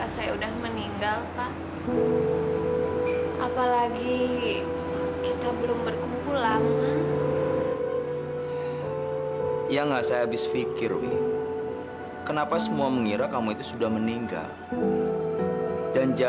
sampai jumpa di video selanjutnya